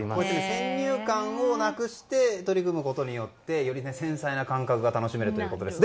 先入観をなくして取り組むことによってより繊細な感覚が楽しめるということです。